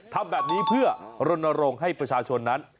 ทำแบบนี้เพื่อรณรงค์ให้ประชาชนนั้น